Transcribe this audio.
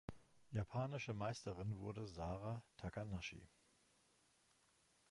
Japanische Meisterin wurde Sara Takanashi.